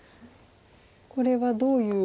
これはどういう。